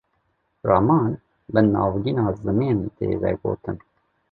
Raman, bi navgîna zimên tê vegotin